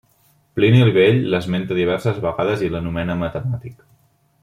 Plini el Vell l'esmenta diverses vegades i l'anomena matemàtic.